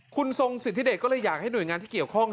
คุณทรงสิทธิเดชก็เลยอยากให้หน่วยงานที่เกี่ยวข้อง